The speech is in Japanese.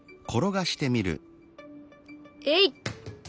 えい！